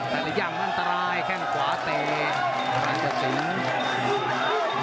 แต่ละย่างมันตรายแก้งขวาเตะภาษาสิงห์